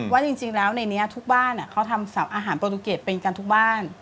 ว่าจริงแล้วในนี้ทุกบ้านเขาทำอาหารโปรตูเกตเป็นกันทุกบ้าน